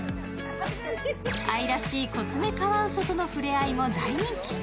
愛らしいコツメカワウソとのふれあいも大人気。